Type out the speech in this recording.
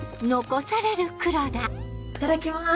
いただきます。